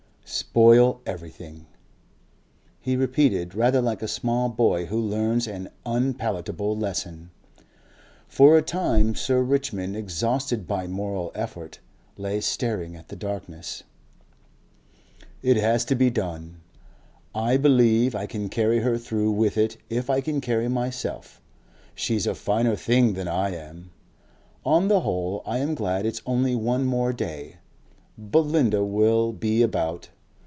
"Spoil everything," he repeated, rather like a small boy who learns an unpalatable lesson. For a time Sir Richmond, exhausted by moral effort, lay staring at the darkness. "It has to be done. I believe I can carry her through with it if I can carry myself. She's a finer thing than I am.... On the whole I am glad it's only one more day. Belinda will be about....